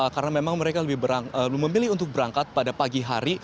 karena memang mereka lebih memilih untuk berangkat pada pagi hari